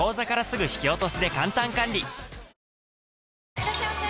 いらっしゃいませ！